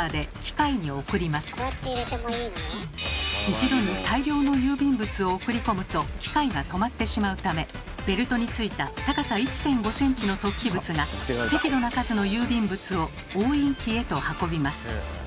一度に大量の郵便物を送り込むと機械が止まってしまうためベルトについた高さ１．５ｃｍの突起物が適度な数の郵便物を押印機へと運びます。